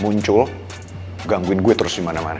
muncul gangguin gue terus dimana mana